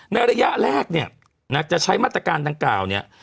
ในระยะแรกเนี่ยจะใช้มาตรการตำเกราเนี่ย